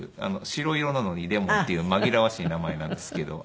白色なのにれもんっていう紛らわしい名前なんですけど。